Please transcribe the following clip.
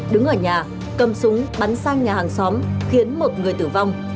đứng ở nhà cầm súng bắn sang nhà hàng xóm khiến một người tử vong